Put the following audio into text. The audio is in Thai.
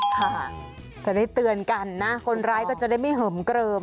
ค่ะจะได้เตือนกันนะคนร้ายก็จะได้ไม่เหิมเกลิม